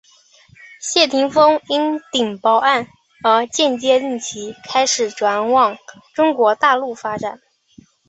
谢霆锋因顶包案而间接令其开始转往中国大陆发展。